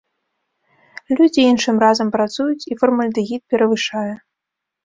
Людзі іншым разам працуюць, і фармальдэгід перавышае.